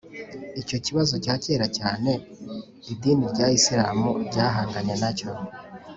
ni cyo kibazo cya kera cyane idini rya isilamu ryahanganye na cyo